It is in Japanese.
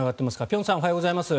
辺さん、おはようございます。